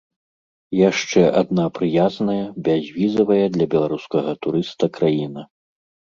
Яшчэ адна прыязная, бязвізавая для беларускага турыста краіна.